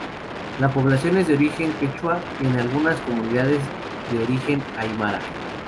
La población es de origen quechua y en algunas comunidades de origen aymara.